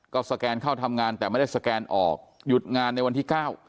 ก็สแกนเข้าทำงานแต่ไม่ได้สแกนออกหยุดงานในวันที่เก้า